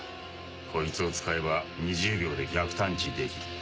こいつを使えば２０秒で逆探知できる。